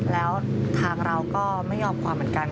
แล้วทางเราก็ไม่ยอมความเหมือนกัน